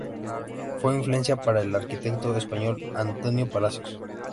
Fue influencia para el arquitecto español Antonio Palacios.